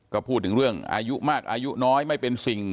ก็พูดถึงเรื่องอายุมากอายุน้อยไม่เป็นสิ่ง